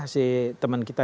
si teman kita